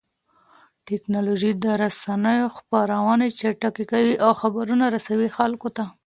ټکنالوژي د رسنيو خپرونې چټکې کوي او خبرونه رسوي خلکو ته.